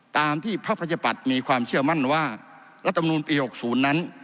ตามที่ภาพปราชปัฏมีความเชื่อมั่นว่ารัฐมนูญปีหกศูนย์นั้น